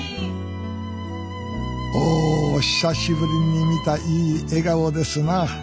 お久しぶりに見たいい笑顔ですな。